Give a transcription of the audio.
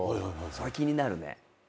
それ気になるね。